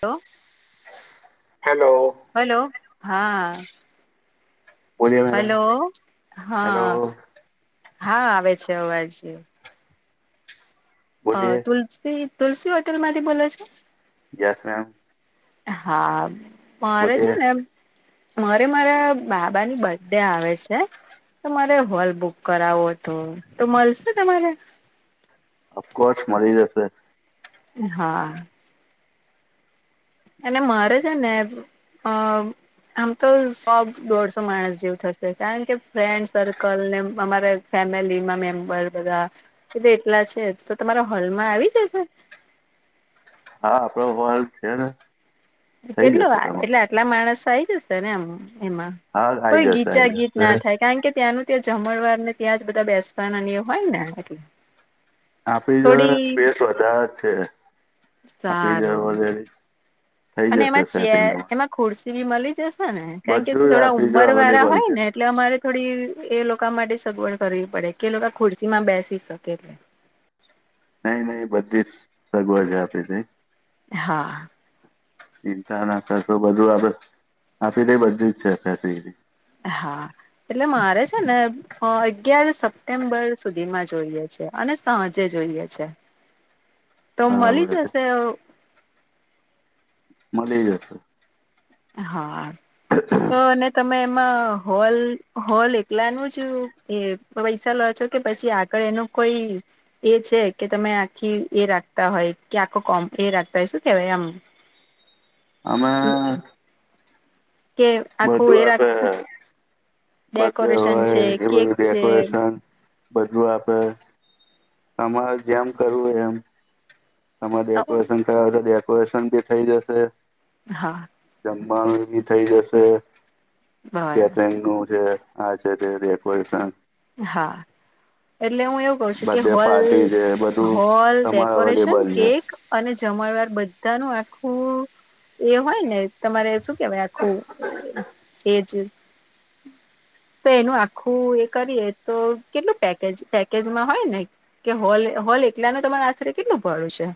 Hello. Hello. Hello હા. Hello હા, હા આવે છે અવાજ. અ તુલસી, તુલસી હોટલમાંથી બોલો છો? Yes ma'am. હા મારે છે બોલીએ ને મારે મારા બાબાની બર્થડે આવે છે. તો મારે હોલ બુક કરાવો હતો, તો મળશે તમારે? અફકોર્સ મળી જશે. હા. એન મારે છે ને અ આમ તો સો-દોઢસો માણસ જેવ થશે કારણ કે ફ્રેન્ડ સર્કલ ને અમારે ફેમિલીમાં મેમ્બર બધા એતો એટલા છે. તો તમારા હોલમાં આવી જશે? હા, આપણો હોલ છે ને. થઈ કેટલું જશે અ તમારો એટલે આટલા માણસો આઈ જશે ને એમ એમાં. હા આવી કોઈ જશે આવી ગીચા-ગીચ જશે ના થાય કારણ કે ત્યાંનું ત્યા જમણવારને ત્યાં જ બધા બેસવાના અને હોય ને એટલે. આપી જોડે થોડી સ્પેસ વધારે જ છે આપી જો સારું ઓલરેડી થઈ અને જશે એમાં સેટિંગ ચેર તમારું એમાં ખુરશી બી મળી જશે ને કારણ કે બધું જ થોડા આપણી જોડે ઉંમર વાળા અવેલેબલ હોય છે ને એટલે અમારે થોડી એલોકો માટે સગવડ કરવી પડે કે એ લોકો ખુરશીમાં બેસી શકે એટલે. નઈ નઈ બધી જ સગવડ આપડે તઈ. હા. ચિંતા ના કરશો બધું આપડ આપી તઈ બધી જ છે. [inaudible] હા, એટલે મારે છે ને હ અગીયાર સપ્ટેમ્બર સુધીમાં જોઈએ છે અને સાંજે જોઈએ છે. તો મળી બરાબર છે જશે અ? મલી જસે. હા, તો ને તમે માં હોલ હોલ એતલાનું જ એ પૈસા લો છો કે પછી આગળ એનું કોઈ એ છે કે તમે આખી એ રાખતા હોય કે આખો કોમ એ રાખતા હોય શું કેહેવાય આમ [inaudible] હમણાં, કે આખું એ રાખતા બર્થ ડે હોય કે એ બધું કેક છે ડેકોરેશન બધું આપણે તમારે જેમ કરવું હોય એમ. તમામે ડેકોરેશન કરાવ તો ડેકોરેશન ભી થઇ જશે. હા. જમવાનું બી થઇ જશે બરાબર કેટરિંગ નું છે. હા તે છે ડેકોરેશન. હા- એટલે હું એવું કઉ છું કે બર્થડે હોલ, પાર્ટી છે બધું હોલ, તમારે ડેકોરેશન, અવેલેબલ છે કેક અને જમણવાર બધાનું આખું એ હોય ને તમારે શું કેવાય આખું એજ. તો એનું આખું એ કરીએ તો કેટલું પેકેજ પેકેજમાં હોય ને. કે હોલ હોલ એકલા ન તમારે આશરે કેટલું ભાડું છે.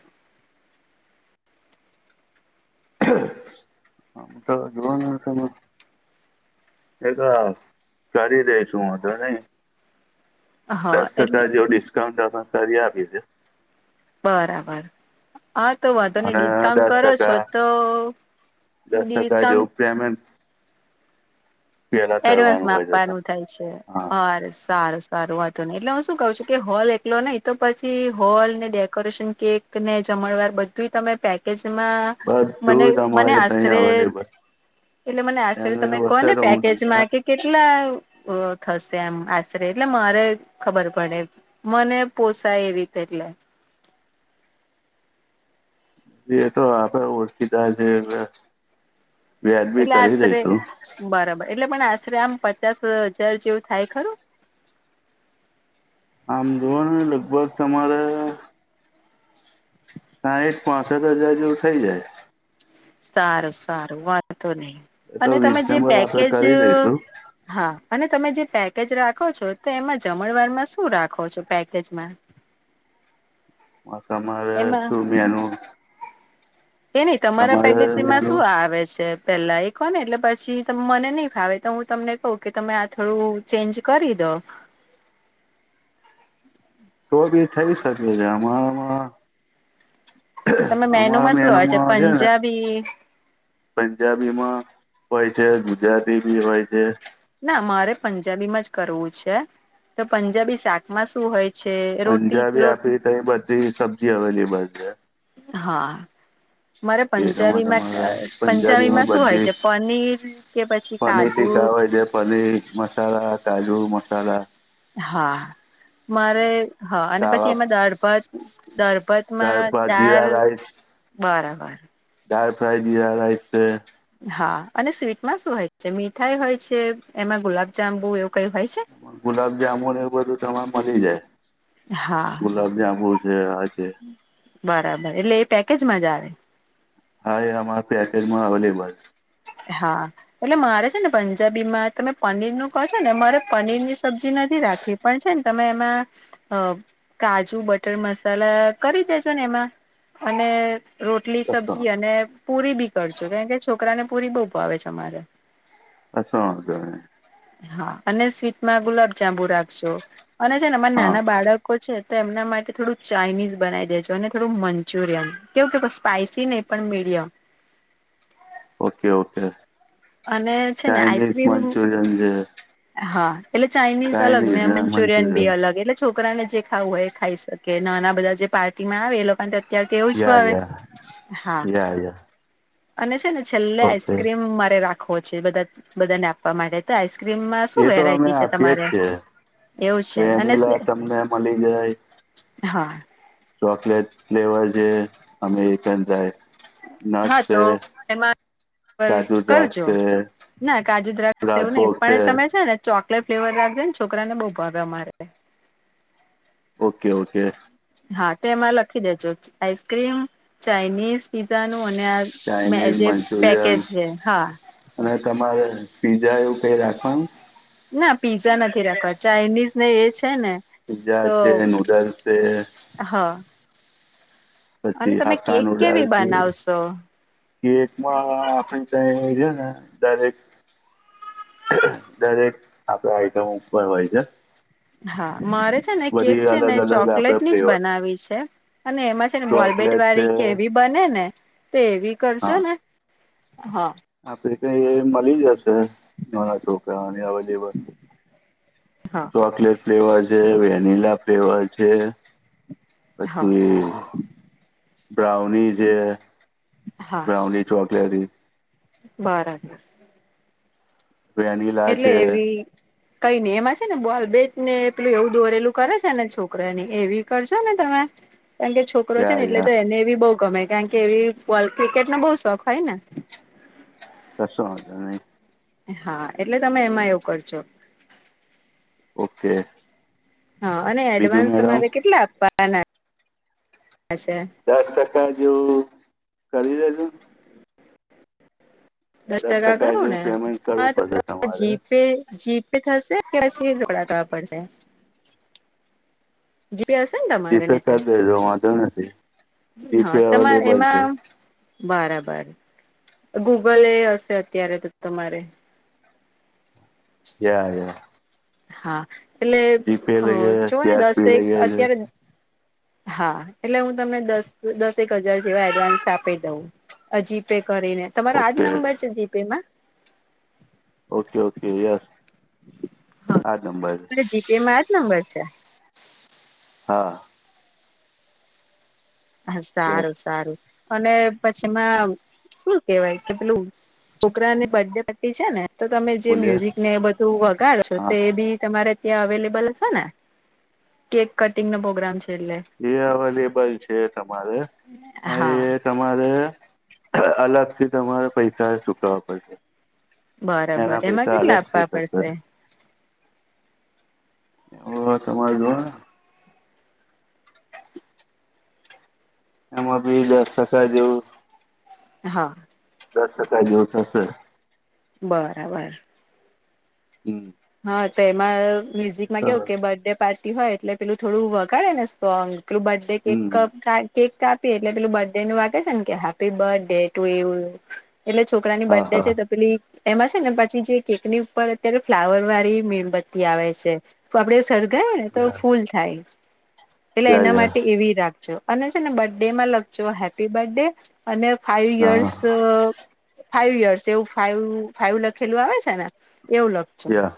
તો રો ને તમે, એક, કરી દઈશું વાંધો નહીં. હા દસ એટલે ટકા જેવું ડિસ્કાઉન્ટ આમા કરી આપીસ. બરાબર. હા તો વાંધો નઇ અને ડિસ્કાઉન્ટ દસ કરો છો ટકા તો દસ ટકા ડિસ્કાઉન્ટ જેવું પેમેન્ટ પેલા એડવાન્સ કરવાનું મા હોય છે આપવાનું તમારે થાય છે હા અરે સારું સારું વાંધો નહીં એટલે હું શું કઉ છું કે હોલ એકલો નહી તો પછી હોલ ને ડેકોરેશન કેક ને જમણવાર બધુય તમે પેકેજમાં મને બધું જ મને અમારે અહીં આશરે અવેલેબલ એટલે મને આશરે એનું તમે એવું કોને હશે તો હું તમને પેકેજમાં કે કેટલા થશે આમ આશરે એટલે મારે ખબર પડે મને પોસાય એવી રીતે એટલે એ તો આપણે ઓળખીતા જે હોય, વ્યાજબી એટલે કરી આશરે દઈશું. બરાબર એટલે પણ આશરે આમ પચાસ હજાર જેવું થાય ખરું, આમ જુઓ ને લગભગ તમારે, સાંઠ પાસઠ હજાર જેવું થઈ જાય. સારું સારું વાંધંધો નહી એ તો અને તમે જે રિઝનેબલ આપડે પેકેજ, કરી દઈશું હા અને તમે જે પેકેજ રાખો છો તો એમાં જમણવાર માં શું રાખો છો પેકેજમાં, તમારે એમાં શું મૈનું, એ નઈ તમારા પેકેજમાં મેનુ શું આવે છે. પેલા એ કોહ ને એટલે પછી મને નઈ ફાવે તો હું તમને કહું કે તમે આ થોડું ચેન્જ કરી દો, તો ભી થઈ શકે છે એમા હમાં, તમે અમારા મેનુમાં શું મેનુ આવે માં છે ને, પંજાબી પંજાબી મા હોય છે ગુજરાતી બી હોય છે, ના મારે પંજાબીમાં જ કરવું છે તો પંજાબી શાકમાં શું હોય, છે રોટી પંજાબી રોટી આપી તઈ બધી સબ્જી અવેલેબલ છે. હા, મારે એમાં તમારે તમારે પંજાબીમાં પંજાબીમાં શું હોય છે પનીર કે પછી પનીર કાજુ ટિકા હોય જે પનીર મસાલા કાજુ મસાલા હા, મારે હા અને પછી કાવા એમાં દાળભાત દાળ દાળભાતમાં ભાત દાર જીરા બરાબર. દાલફ્રાઈ જીરારાઈસ છે. હા અને સ્વીટમાં શું હોય છે મીઠાઈ હોય છે એમાં ગુલાબજાંબુ એવું કઈ હોય છે. ગુલાબ જામુન એ બધું તને મલી જાય. હા, ગુલાબજાંબુ છે આ છે બરાબર એટલે એ પેકેજમાં જ આવે. હા એ અમારા પેકેજમાં અવેલેબલ છે. હા. એટલે મારે છે ને પંજાબીમાં તમે પનીરનું કહો છો ને મારે પનીરની સબ્જી નથી રાખવી પણ છે ને તમે એમાં કાજુ બટર મસાલા કરી દેજો ને એમાં. અને રોટલી છે કશો સબ્જી અને પુરી બી કરજો કારણ કે છોકરાને પુરી બઉ ભાવે છે અમારે. કશું વાધો નહીં. હા અને સ્વીટમાં ગુલાબ જાંબુ રાખજો અને છે ને અમારા હા નાના બાળકો છે તો એમના માટે થોડું ચાાઈનીઝ બનાવી દેજો અને થોડું મંચુરિયન કેવું કે સ્પાઈસી ને પણ મીડિયમ. ઓકે ઓકે અને છે ને ચાઇનીઝ આઈસ્ક્રીમ મંચુરિયન જે હા એટલે ચાઇનીઝ અલગ ને મંચુરિયન બી અલગ એટલે છોકરાને જે ખાવું હોય એ ખાઈ શકે નાના બધા જે પાર્ટીમાં આવે એ લોકોને ત્યારે તો એવું જ યા ભાવે, યા હા. યા યા અને છે ને છેલ્લે ઓકે આઈસ્ક્રીમ મારે રાખવો છે બધા બધાને આપવા માટે. આઈસ્ક્રીમમાં શું એ તો અમે વેરાયટી છે આપીએ જ તમારે? છીએ એવું છે અને વેનીલા તમને મળી જાય હા. ચોકલેટ ફ્લેવર જે અમેરિકન થાય. હા તો એમાં પર કાજુ દ્રાક્ષ કરજો, છે ના કાજુ દ્રાક્ષ એવું નહી પણ એ તમે છે ને ચોકલેટ ફ્લેવર રાખજો ને છોકરાને બહુ ભાવે અમારે. Okay okay. હા તેમાં લખી દેજો આઈસ્ક્રીમ ચાાઈનીઝ પિઝા નું અને આ ચાઇનીઝ જે મંચુરિયન પેકેજ છે હા. અને તમારે પીઝા એવું કઈ રાખવાનું. ના પીઝા નથી રાખવા ચાઇનીઝ ને એ છે ને પીઝા તો છે નૂડલ્સ છે હ. પછી કેક હાકાનું કેવી ઉડાલશે. બનાવશો કે એકમાં [unintelligible] ડાયરેક્ટ દરેક આપડા આઈટમ ઉપર હોય છે. હા મારે છે ને કેક બધી છે ને અલગ અલગ ચોકલેટ આપણે ની જ ફ્લેવર બનાવી છે અને એમાં છે ને બોલબેટ ચોકલેટ છે વાળી કે એવી બને ને તો એવી કરશો ને, હા. આપે કઈ એ મળી જશે નાના છોકરાને અવેલેબલ હા. ચોકલેટ ફ્લેવર છે વેનિલા ફ્લેવર છે.. હા પછી બ્રાઉની જે બ્રાઉની ચોકલેટ ઈ બાર અ વેનીલા છે એટલે એવી કઈ ની એમાં છે ને બોલ બેટ ને એટલું એવું દોરેલું છે ને છોકરા ને એવી કરશો ને તમે કારણ કે છોકરો છે યા ને એટલે તો યા એને એ બહુ ગમે કારણ કે એવી ક્રિકેટનો બહું શોખ હોય ને કસુ વાંધો નહિ. હા એટલે તમે એમાં એવું કરજો ઓકે હા અને બીજું એડવાન્સ મેડમ તમારે કેટલા આપવા ના ના છે. દસ ટકા જેવું ખરીદે શું દસ ટકા કરો જેવું ને પેમેન્ટ હા કરવું પડશે તો તમારે જીપે જીપે થશે કે પછી રોકડા કરવા પડશે જી પે હશે ને તમારે તો તેનો વાંધો નથી. જીપે હા તમારે અવેલેબલ છે એમાં બરાબર ગૂગલ એ હશે અત્યારે તો તમારે યા યા હા એટલે જીપે અ લઈએ જો ને કેશ દસે બી એકક લઈએ છે અત્યારે હા એટલે હું તમને દસ દસેક હજાર જેવા એડવાન્સ આપી દઉં જી પે કરીને તમારો આજ ઓકે નંબર છે જીપે માં ઓકે ઓકે યસ હા આ જ નબર તમારે જીપે મા આ જ નંબર છે. હા. હા યસ સારું સારું. અને પછીમાં શું કેવાય કે પેલું છોકરાની બર્ડે પાર્ટી છે ને તો તમે જે બોલીએ મ્યુઝિક ને બધું વગાડો છો હા તો એ બી તમારે ત્યા અવેલેબલ હશે ને કેક કટિંગ નો પ્રોગ્રામ છે એટલે એ અવેલેબલ છે તમારે અને હા એ તમારે અલગથી તમારે પૈસા ચૂકવવા પડશે. બરાબર એના એમાં પૈસા કેટલા અલગથી આપવા થશે. પડશે ઓ તમાર જો તમાર બી [unintelligible] જેવું હા દસ ટકા જેવું થશે. બરાબર. હમ્મ. હા તો એમાં મ્યુઝિકમાં કેવું કે બર્ડે પાર્ટી હોય એટલે પેલું થોડું વગાડેને સોંગ પેલું બર્થડે કેક હમ ક હમ. કા કેક કાપીએ એટલે પેલું બડેનું વાગે છે ને કે હેપી બડે ટુ યુ એટલે છોકરાની હા બડે હા છે તો પેલી એમાં છેને પછી જે કેકની પર અત્યારે ફ્લાવર વાળી મીણબત્તી આવે છે તો આપડે સળગાય ને તો યા ફૂલ થાય એટલે યા એના યા માટે એવી રાખજો અને છેને બડેમાં લખજો હેપી બડે અને ફાઈવ હા હા યરસ અ ફાઈવ યર્સ એવું ફાઇવ ફાઈવ લખેલું આવે છેને એવું લખ છે, યા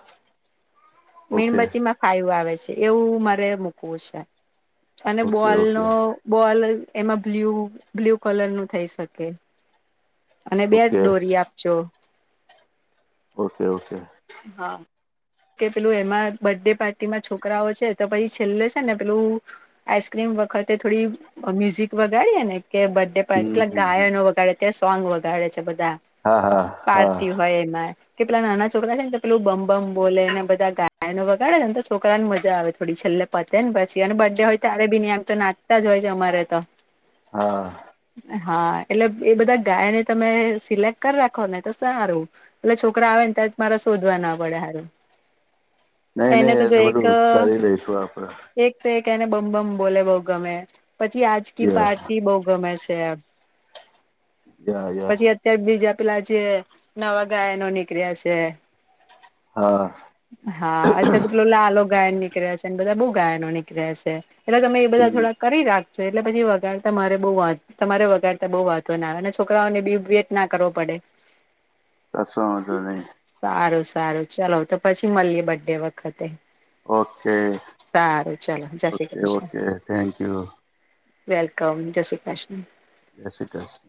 ઓકે મીણબત્તીમાં ફાઈવ આવે છે એવું મારે મૂકવું છે અને ઓકે બોલનો ઓકે બોલ એમાં બ્લ્યુ બ્લ્યુ કલરનું થઈ શકે. અને બેટ ઓકે દોરી આપજો. Okay okay. હા. કે પેલું એમાં બર્ડે પાર્ટીમાં છોકરાઓ છે તો પહી છેલ્લે છેને પેલું આઈસક્રીમ વખતે થોડી મ્યુઝિક વગાડીએને કે બડે પાર હમ પેલા હમ, હમ. ગાયનો વગાડે તે સોંગ વગાડે છે બધા હા હા હા પાર્ટી હોય એમાં. કે પેલા નાના છોકરા છેન તો પેલું બમ બમ બોલેને બધા ગાયનો વગાડેને તો છોકરા ન મજા આવે થોડી છેલે પતે ન પછી અને બડે હોય ત્યારે બી ન એમ તો નાચતા જ હોય છે અમારે તો. હા. હા એટલે એ બધા ગાયને તમે સિલેક્ટ કર રાખો ને તો સારું. પેલા છોકરા આવે ન ત્યારે મારા શોધવા ના પડે હારુ. નહી નહી એ તો બધું કરી લઈશું આપડે. એક તો એક એને બમ બમ બોલે બહુ ગમે પછી આજકી ય પાર્ટી બહુ ગમે છે એમ. યા યા પછી અત્યાર બીજા પેલા જે નવા ગાયનો નીકળ્યા છે. હા. હા અત્યારે તો પેલો લાલો ગાયન નીકળ્યા છે ન બધા બઉ ગાયનો નીકર્યા છે. એટલે તમે એ બધા હમ થોડા કરી રાખજો એટલે પછી વગાડતા મારે બઉ વા તમારે વગડતા બવ વાંધો ના આવે ને છોકરાઓને બી વેટ ના કરવો પડે. કસો વાંધો નઈ. સારું સારું ચલો તો પછી મળીએ બડે વખતે. ઓકે સારું ચલો, જય Shri okay Krishna. Okay thank you welcome જય શ્રી કૃષ્ણ. જય શ્રી કૃષ્ણ.